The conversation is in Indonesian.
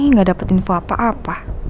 nggak dapat info apa apa